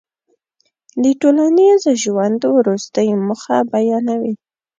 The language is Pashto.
د ټولنیز ژوند وروستۍ موخه بیانوي.